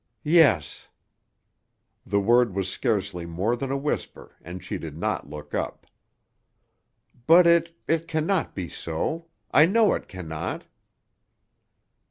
"Yes." The word was scarcely more than a whisper and she did not look up. "But it—it can not be so; I know it can not."